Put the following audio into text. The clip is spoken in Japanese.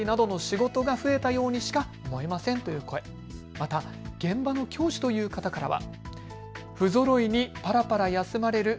また現場の教師という方からは。